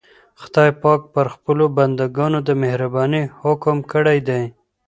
خدای پاک پر خپلو بندګانو د مهربانۍ حکم کړی دی.